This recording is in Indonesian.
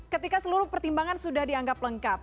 ketika seluruh pertimbangan sudah dianggap lengkap